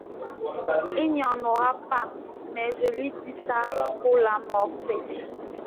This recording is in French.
Il n’y en aura pas… mais je lui dis ça pour l’amorcer !